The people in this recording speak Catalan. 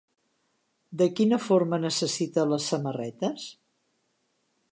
De quina forma necessita les samarretes?